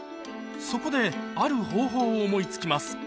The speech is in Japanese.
そこである方法を思い付きます